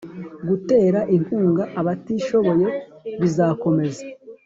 gutera inkunga abatishoboye bizakomeza